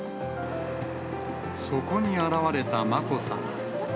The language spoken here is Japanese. そこに現れたまこさま。